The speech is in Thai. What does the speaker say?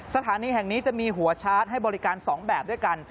สถานีแห่งนี้จะมีหัวชาร์จให้บริการ๒แบบด้วยกัน